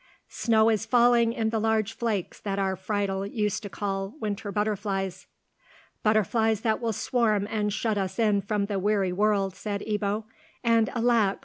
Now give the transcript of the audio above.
"Snow is falling in the large flakes that our Friedel used to call winter butterflies." "Butterflies that will swarm and shut us in from the weary world," said Ebbo. "And alack!